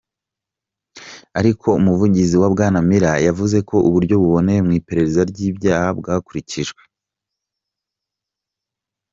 Ariko umuvugizi wa Bwana Muller yavuze ko "uburyo buboneye mu iperereza ry’ibyaha" bwakurikijwe.